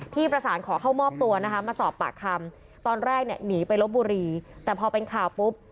ที่ประสานขอเข้ามอบตัวนะคะมาสอบปากคำตอนแรกเนี่ยหนีไปลบบุรีแต่พอเป็นข่าวปุ๊บ